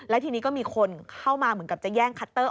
แล้วทีนี้ก็มีคนเข้ามาเหมือนกับจะแย่งคัตเตอร์